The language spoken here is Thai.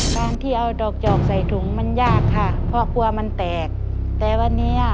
การที่เอาดอกจอกใส่ถุงมันยากค่ะเพราะกลัวมันแตกแต่วันนี้อ่ะ